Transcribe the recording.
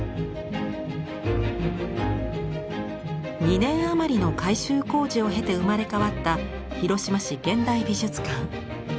２年余りの改修工事を経て生まれ変わった広島市現代美術館。